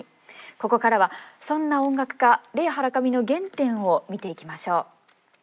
ここからはそんな音楽家レイ・ハラカミの原点を見ていきましょう。